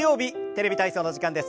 「テレビ体操」の時間です。